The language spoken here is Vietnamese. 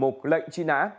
một lệnh truy nã